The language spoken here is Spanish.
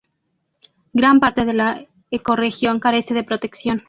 Gran parte de la ecorregión carece de protección.